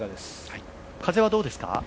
風はどうですか？